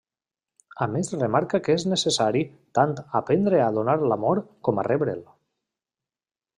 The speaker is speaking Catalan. A més remarca que és necessari tant aprendre a donar l'amor com a rebre'l.